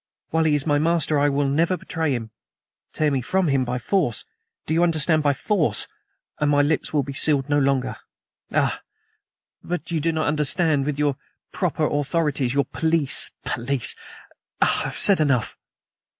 While he is my master I will never betray him. Tear me from him by force, do you understand, BY FORCE, and my lips will be sealed no longer. Ah! but you do not understand, with your 'proper authorities' your police. Police! Ah, I have said enough."